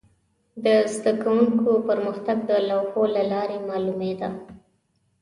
د زده کوونکو پرمختګ د لوحو له لارې معلومېده.